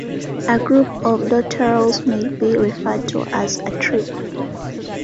A group of dotterels may be referred to as a "trip".